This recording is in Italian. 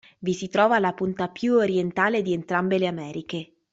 Vi si trova la punta più orientale di entrambe le Americhe.